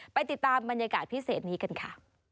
ไปติดตามบรรยากาศพิเศษนี้กันค่ะ